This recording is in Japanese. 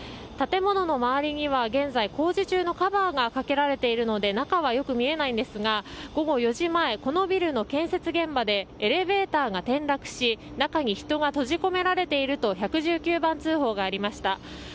建物の周りには現在、工事中のカバーがかけられているので中はよく見えないんですが午後４時前このビルの建設現場でエレベーターが転落し、中に人が閉じ込められていると１１９番通報がありました。